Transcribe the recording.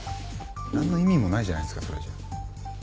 何の意味もないじゃないですかそれじゃあ。